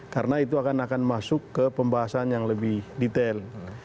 karena itu akan masuk ke pembahasan yang lebih detail